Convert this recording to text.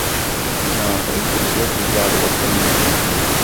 Maɣef ay tebdid tzerrwed tamaziɣt?